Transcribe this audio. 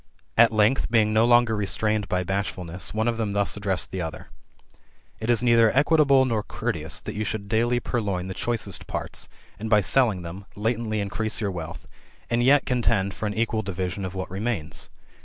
At length, being no longer restrained by bashfulness, one of them thus addressed the other :" It is oeither equitable, nor courteous, that you should daily purloin the choicest parts, and by selling them, latently increase your wealth, and yet contend for an equal division of what remains.